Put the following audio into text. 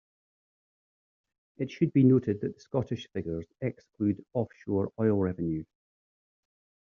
It should also be noted that the Scottish figures exclude offshore oil revenue.